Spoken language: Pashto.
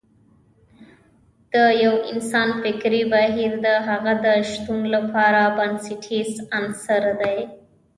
د يو انسان فکري بهير د هغه د شتون لپاره بنسټیز عنصر دی.